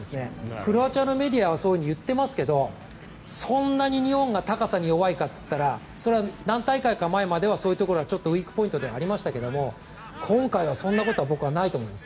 クロアチアのメディアはそう言っていますがそんなに日本が高さに弱いかと言ったらそれは何大会か前まではそういうところはウィークポイントではありましたけど僕は今回はそんなことはないと思います。